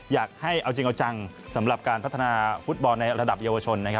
อยากให้เอาจริงเอาจังสำหรับการพัฒนาฟุตบอลในระดับเยาวชน